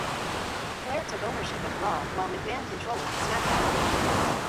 Flair took ownership of "Raw", while McMahon controlled "SmackDown!".